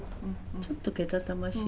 ちょっとけたたましい。